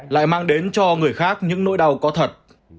lại mang đến cho người khác những nỗi đau có thật